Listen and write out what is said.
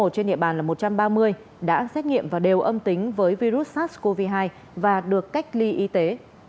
trên địa bàn là một trăm ba mươi đã xét nghiệm và đều âm tính với virus sars cov hai và được cách ly y tế